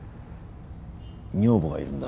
女房がいるんだ